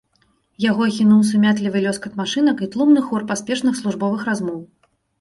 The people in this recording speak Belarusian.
Яго ахінуў сумятлівы лёскат машынак і тлумны хор паспешных службовых размоў.